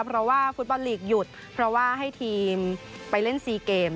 เพราะว่าฟุตบอลลีกหยุดเพราะว่าให้ทีมไปเล่นซีเกม